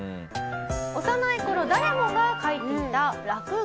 幼い頃誰もが描いていた落書き。